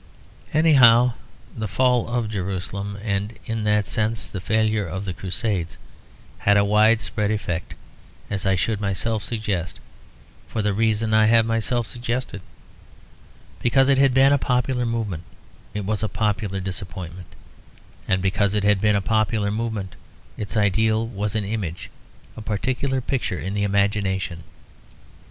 Anyhow the fall of Jerusalem, and in that sense the failure of the Crusades, had a widespread effect, as I should myself suggest, for the reason I have myself suggested. Because it had been a popular movement, it was a popular disappointment; and because it had been a popular movement, its ideal was an image; a particular picture in the imagination.